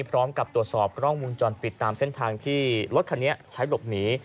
พร้อมกับตรวจสอบกล้องวงจรปิดตามเส้นทางที่รถคันนี้ใช้หลบหนี